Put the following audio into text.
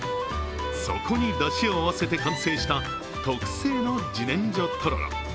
そこに、だしを合わせて完成した特製の自然薯とろろ。